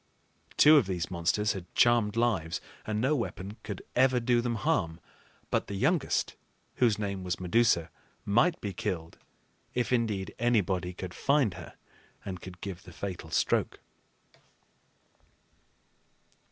Two of these monsters had charmed lives, and no weapon could ever do them harm; but the youngest, whose name was Medusa, might be killed, if indeed anybody could find her and could give the fatal stroke.